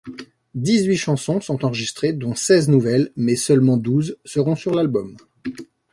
Dix-huit chansons sont enregistrées dont seize nouvelles mais seulement douze seront sur l'album.